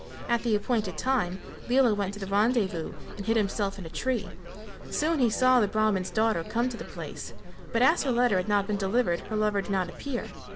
At the appointed time Lela went to the rendez vous and hid himself in a tree; soon he saw the Brahman's daughter come to the place, but as her letter had not been delivered her lover did not appear.